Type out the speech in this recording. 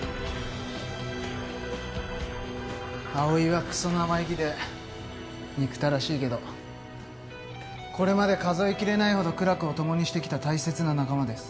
葵はクソ生意気で憎たらしいけどこれまで数え切れないほど苦楽を共にしてきた大切な仲間です。